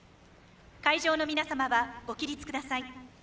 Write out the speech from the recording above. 会場の皆様はご起立ください。